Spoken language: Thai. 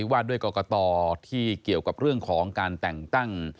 ว่าด้วยกรกตที่เกี่ยวกับเรื่องของการแต่งตั้ง